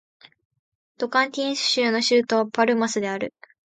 トカンティンス州の州都はパルマスである